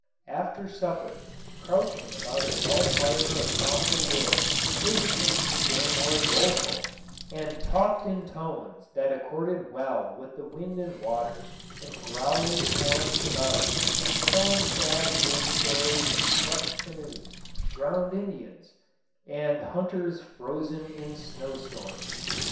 After supper, crouching about a dull fire of fossil wood, they became still more doleful, and talked in tones that accorded well with the wind and waters and growling torrents about us, telling sad old stories of crushed canoes, drowned Indians, and hunters frozen in snowstorms.